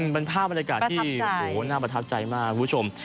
เป็นภาพบรรยากาศที่น่าประทับใจมากคุณผู้ชม